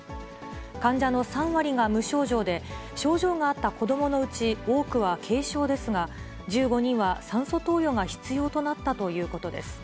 患者の３割が無症状で、症状があった子どものうち多くは軽症ですが、１５人は酸素投与が必要となったということです。